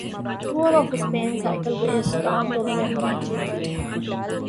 tour of Spain cycle race Tom Dumoulin نے جیت لی